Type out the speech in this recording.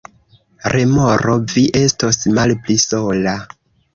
Remoro: "Vi estos malpli sola."